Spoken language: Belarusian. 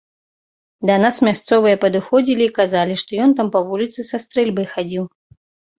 Да нас мясцовыя падыходзілі і казалі, што ён там па вуліцы са стрэльбай хадзіў.